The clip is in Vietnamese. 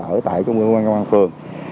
ở tại công an phường